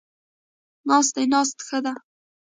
ناست دی، ناسته ښه ده